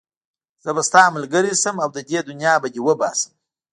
زه به ستا ملګری شم او له دې دنيا به دې وباسم.